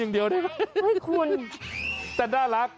อย่างเดียวได้ไหมคุณแต่น่ารัก